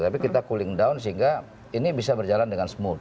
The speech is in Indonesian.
tapi kita cooling down sehingga ini bisa berjalan dengan smooth